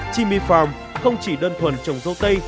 chimmy farm không chỉ đơn thuần trồng dâu tây